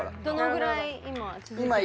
どのぐらい今。